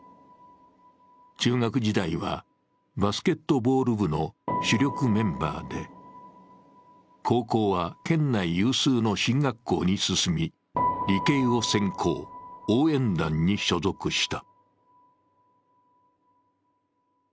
中学時代はバスケットボール部の主力メンバーで、高校は県内有数の進学校に進み理系を専攻、応援団の所属した。